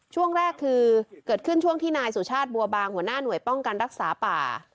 ช่วงแรกคือเกิดขึ้นช่วงที่นายสุชาติบัวบางหัวหน้าหน่วยป้องกันรักษาป่า